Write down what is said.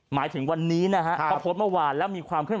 หมายถึงวันนี้นะฮะเขาโพสต์เมื่อวานแล้วมีความเคลื